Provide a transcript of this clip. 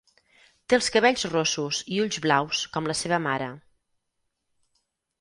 Té els cabells rossos i ulls blaus com la seva mare.